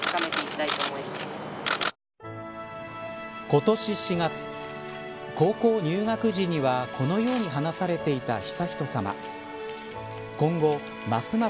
今年４月高校入学時にはこのように話されていた悠仁さま。